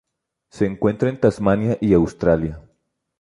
Se encuentra en Tasmania y Australia.